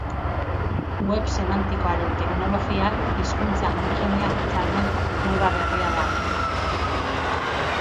Web semantikoaren teknologia hizkuntza-ingeniaritzaren moda berria da.